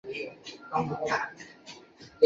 于唐奥方。